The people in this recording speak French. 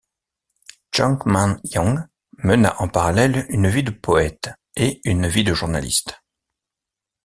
Chang Man-yeong mena en parallèle une vie de poète et une vie de journaliste.